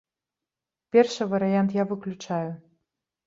Першы варыянт я выключаю.